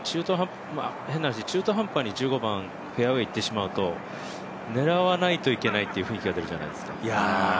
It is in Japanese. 変な話、中途半端に１５番フェアウエーにいってしまうと狙わないといけないという雰囲気が出るじゃないですか。